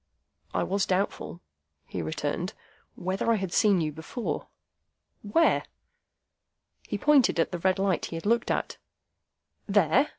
"I was doubtful," he returned, "whether I had seen you before." "Where?" He pointed to the red light he had looked at. "There?"